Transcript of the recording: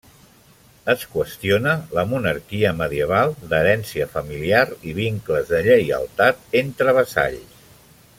Es qüestiona la monarquia medieval, d'herència familiar i vincles de lleialtat entre vassalls.